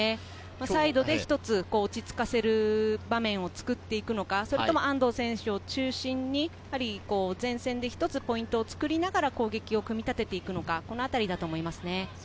サイドで一つ落ち着かせる場面を作っていくのか、安藤選手を中心に前線で一つポイントを作りながら攻撃を組み立てていくのか、このあたりだと思います。